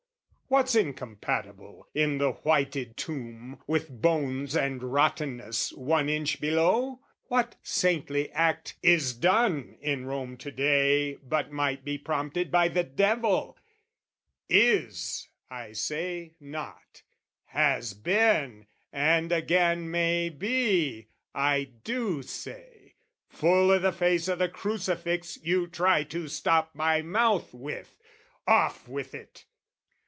What's incompatible, in the whited tomb, With bones and rottenness one inch below? What saintly act is done in Rome to day But might be prompted by the devil, "is" I say not, "has been, and again may be," I do say, full i' the face o' the crucifix You try to stop my mouth with! Off with it!